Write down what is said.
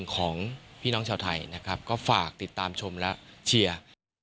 ของพี่น้องชาวไทยนะครับก็ฝากติดตามชมและเชียร์